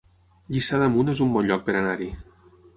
Lliçà d'Amunt es un bon lloc per anar-hi